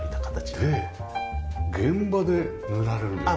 で現場で塗られるんですか？